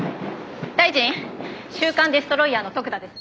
『週刊デストロイヤー』の徳田です」